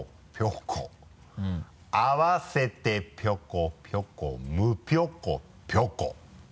あわせてぴょこぴょこむぴょこぴょこ。